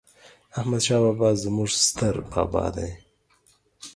احمد شاه بابا ﺯموږ ستر بابا دي